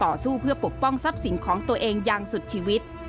สู้เพื่อปกป้องทรัพย์สินของตัวเองอย่างสุดชีวิต